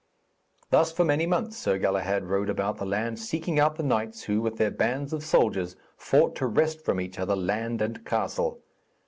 Thus for many months Sir Galahad rode about the land, seeking out the knights who, with their bands of soldiers, fought to wrest from each other land and castles.